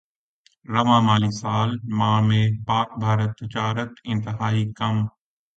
رواں مالی سال ماہ میں پاکبھارت تجارت انتہائی کم